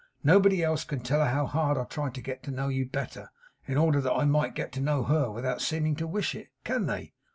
Nobody else can tell her how hard I tried to get to know you better, in order that I might get to know her without seeming to wish it; can they?